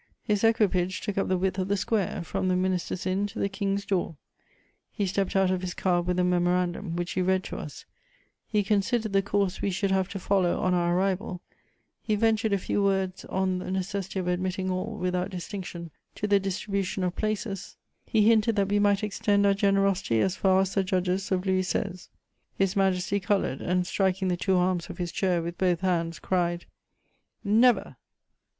His equipage took up the width of the square, from the minister's inn to the Kings door. He stepped out of his car with a memorandum, which he read to us: he considered the course we should have to follow on our arrival; he ventured a few words on the necessity of admitting all, without distinction, to the distribution of places; he hinted that we might extend our generosity as far as the judges of Louis XVI. His Majesty coloured and, striking the two arms of his chair, with both hands, cried: "Never!"